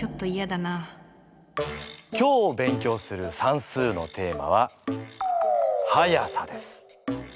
今日勉強する算数の速さです。